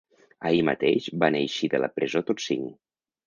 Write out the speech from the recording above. Ahir mateix van eixir de la presó tots cinc.